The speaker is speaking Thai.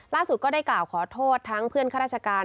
ก็ได้กล่าวขอโทษทั้งเพื่อนข้าราชการ